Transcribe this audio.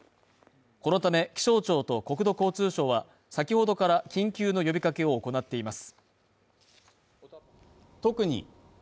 このため、気象庁と国土交通省は、先ほどから緊急の呼びかけを行っています。